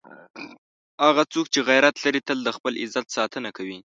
هغه څوک چې غیرت لري، تل د خپل عزت ساتنه کوي.